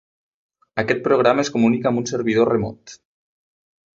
Aquest programa es comunica amb un servidor remot.